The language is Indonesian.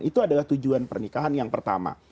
itu adalah tujuan pernikahan yang pertama